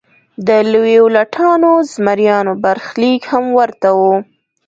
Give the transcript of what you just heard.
د لویو لټانو او زمریانو برخلیک هم ورته و.